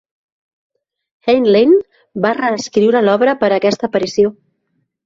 Heinlein va reescriure l'obra per a aquesta aparició.